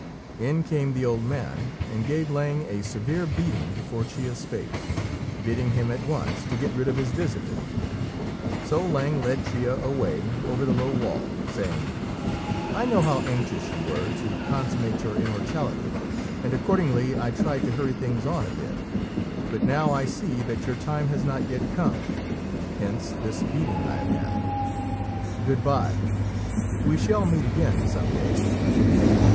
In came the old man, and gave Lang a severe beating before Chia's face, bidding him at once to get rid of his visitor; so Lang led Chia away over the low wall, saying, "I knew how anxious you were to consummate your immortality, and accordingly I tried to hurry things on a bit; but now I see that your time has not yet come: hence this beating I have had. Good by: we shall meet again some day."